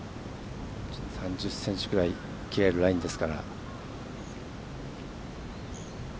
３０ｃｍぐらい切れるラインです。